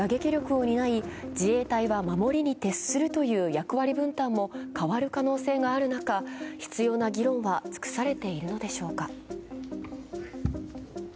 米軍が他国への打撃力を担い、自衛隊は守りに徹するという役割分担も変わる可能性がある中、必要な議論は尽くされているのでしょうか。